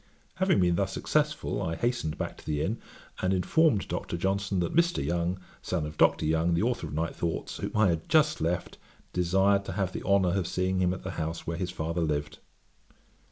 Having been thus successful, I hastened back to the inn, and informed Dr. Johnson that 'Mr. Young, son of Dr. Young, the authour of Night Thoughts, whom I had just left, desired to have the honour of seeing him at the house where his father lived.'